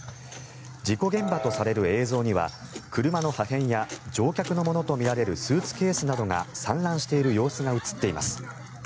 事故現場とされる映像には車の破片や乗客のものとみられるスーツケースなどが散乱している様子が映っています。